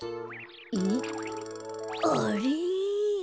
えっあれ？